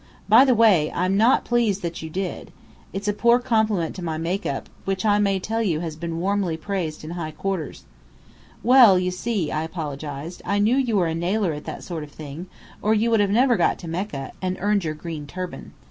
By the way, I'm not pleased that you did. It's a poor compliment to my make up, which I may tell you has been warmly praised in high quarters!" "Well, you see," I apologized, "I knew you were a nailer at that sort of thing, or you would never have got to Mecca, and earned your green turban.